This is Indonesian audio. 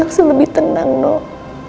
kamu buat elsa lebih tenang nol